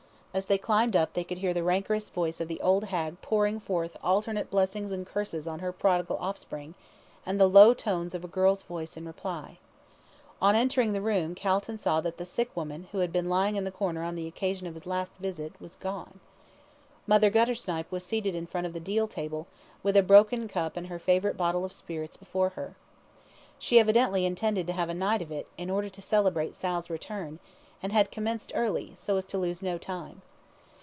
As they climbed up they could hear the rancorous voice of the old hag pouring forth alternate blessings and curses on her prodigal offspring, and the low tones of a girl's voice in reply. On entering the room Calton saw that the sick woman, who had been lying in the corner on the occasion of his last visit, was gone. Mother Guttersnipe was seated in front of the deal table, with a broken cup and her favourite bottle of spirits before her. She evidently intended to have a night of it, in order to celebrate Sal's return, and had commenced early, so as to lose no time.